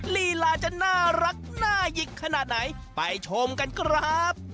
ลีลาจะน่ารักน่าหยิกขนาดไหนไปชมกันครับ